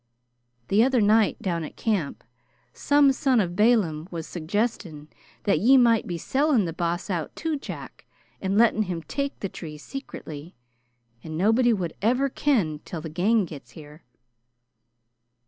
The other night, down at camp, some son of Balaam was suggestin' that ye might be sellin' the Boss out to Jack and lettin' him tak' the trees secretly, and nobody wad ever ken till the gang gets here."